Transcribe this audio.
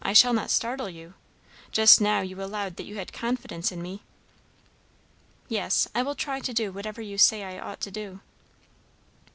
I shall not startle you? Just now you allowed that you had confidence in me?" "Yes. I will try to do whatever you say I ought to do."